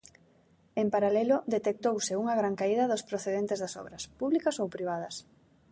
En paralelo, detectouse unha gran caída dos procedentes das obras, públicas ou privadas.